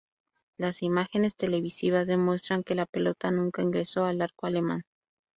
Las imágenes televisivas demuestran que la pelota nunca ingresó al arco alemán.